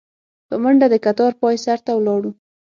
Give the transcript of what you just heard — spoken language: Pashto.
په منډه د کتار پاى سر ته ولاړو.